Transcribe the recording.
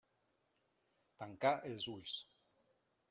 Tancà els ulls.